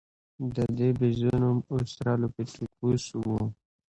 د دې بیزو نوم اوسترالوپیتکوس و.